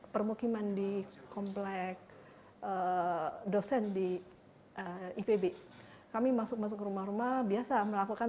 permukiman di komplek dosen di ipb kami masuk masuk rumah rumah biasa melakukan